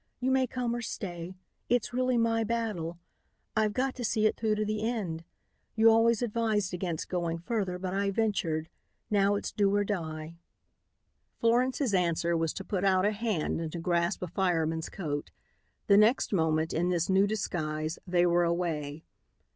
You may come or stay. It's really my battle. I've got to see it through to the end. You always advised against going further but I ventured. Now it's do or die." Florence's answer was to put out a hand and to grasp a fireman's coat. The next moment, in this new disguise, they were away.